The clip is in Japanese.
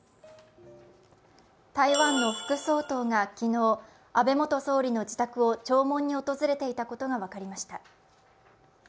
台湾の副総統が昨日安倍総理の自宅を弔問に訪れていたことが分かりました。